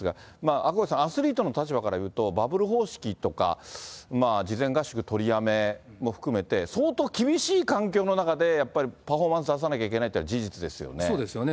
赤星さん、アスリートの立場からすると、バブル方式とか、事前合宿取りやめも含めて、相当厳しい環境の中で、やっぱりパフォーマンス出さなきゃいけないというのは事実ですよね。